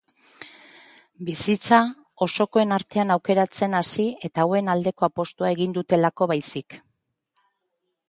Bizitza osokoen artean aukeratzen hasi eta hauen aldeko apostua egin dutelako baizik.